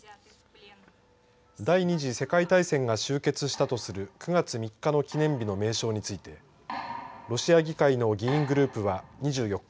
第２次世界大戦が終結したとする９月３日の記念日の名称についてロシア議会の議員グループは２４日